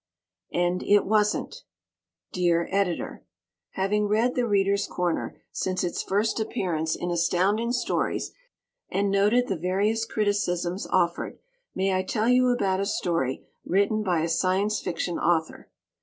And It Wasn't! Dear Editor: Having read "The Readers' Corner" since its first appearance in Astounding Stories and noted the various criticisms offered, may I tell you about a story written by a Science Fiction author?